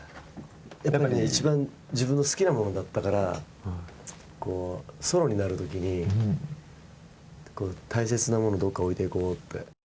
やっぱり一番自分の好きなものだったから、ソロになるときに、大切なものをどっか置いていこうって。